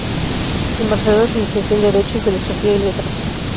En Barcelona se licenció en Derecho y Filosofía y Letras.